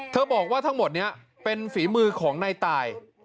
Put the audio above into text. บอกว่าทั้งหมดนี้เป็นฝีมือของนายตาย